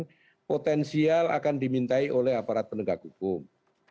jadi potensial akan dimintai oleh aparat penegak hukum